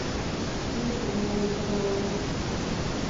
Ihes egin ahal izango banu!